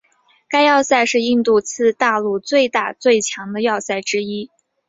该要塞是印度次大陆最大最强的要塞之一。